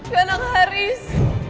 ini anak haris